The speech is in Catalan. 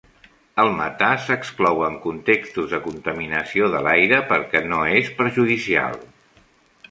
El metà s'exclou en contextos de contaminació de l'aire perquè no és perjudicial.